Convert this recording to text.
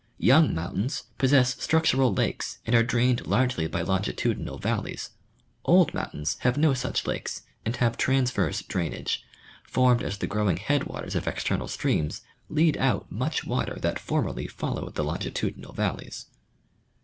Young mountains possess structural lakes and are drained largely by longitudinal valleys ; old mountains have no such lakes and have transverse drainage, formed as the growing headwaters of external streams lead out much water that form erly followed the longitudinal valleys.